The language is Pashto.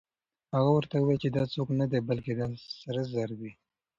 هغه ورته وویل چې دا څوک نه دی، بلکې دا سره زر دي.